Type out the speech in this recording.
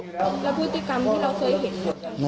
แล้วพฤติกรรมที่เราเคยเห็นอย่างไร